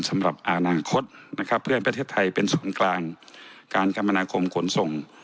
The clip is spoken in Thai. สำหรับอนาคตเพื่อนประเทศไทยเป็นส่วนกลางการกรรมนาคมกลนส่ง